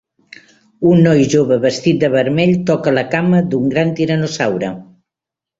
Un noi jove vestit de vermell toca la cama d'un gran tiranosaure.